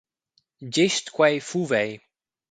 Gest quei fuv’ei.